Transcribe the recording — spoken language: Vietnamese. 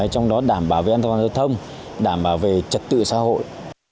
trong đó đảm bảo về an toàn giao thông đảm bảo về trật tự xã hội